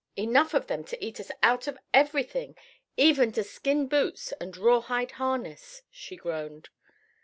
"Enough of them to eat us out of everything, even to skin boots and rawhide harness," she groaned.